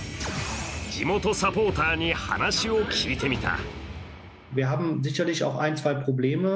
地元サポーターに話を聞いてみた。